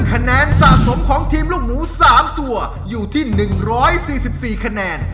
คะแนนสะสมของทีมลูกหนู๓ตัวอยู่ที่๑๔๔คะแนน